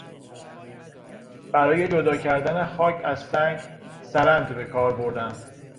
برای جدا کردن خاک از سنگ سرند بهکار بردم.